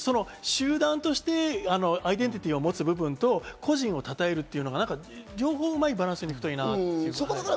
集団として、アイデンティティーを持つ部分と、個人をたたえるというのが両方、うまいバランスに行くといいなと。